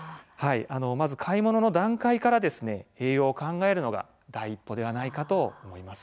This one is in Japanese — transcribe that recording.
まず買い物の段階から栄養を考えるのが第一歩ではないかと思います。